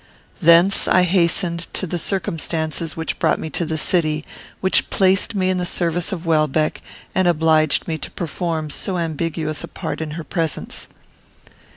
Thence I hastened to the circumstances which brought me to the city; which placed me in the service of Welbeck, and obliged me to perform so ambiguous a part in her presence.